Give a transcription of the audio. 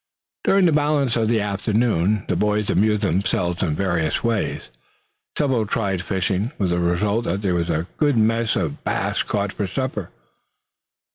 During the balance of the afternoon the boys amused themselves in various ways. Several tried the fishing, with the result that there was a good mess of gamey bass caught for supper.